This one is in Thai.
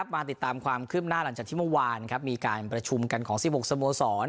มาติดตามความคืบหน้าหลังจากที่เมื่อวานมีการประชุมกันของ๑๖สโมสร